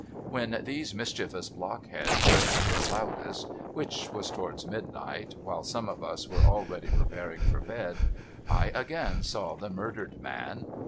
When these mischievous blockheads were at their loudest, which was towards midnight, while some of us were already preparing for bed, I again saw the murdered man.